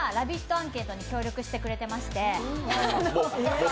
アンケートに協力してくれてまして。